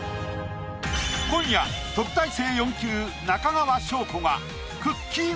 今夜特待生４級中川翔子がくっきー！